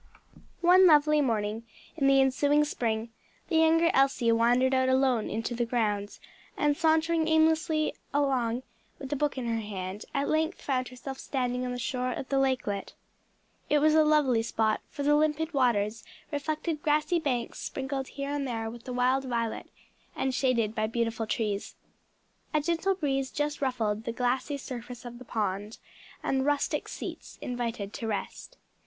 One lovely morning in the ensuing spring, the younger Elsie wandered out alone into the grounds, and sauntering aimlessly along with a book in her hand, at length found herself standing on the shore of the lakelet. It was a lovely spot, for the limpid waters reflected grassy banks sprinkled here and there with the wild violet, and shaded by beautiful trees. A gentle breeze just ruffled the glassy surface of the pond, and rustic seats invited to rest.